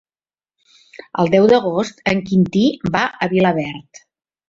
El deu d'agost en Quintí va a Vilaverd.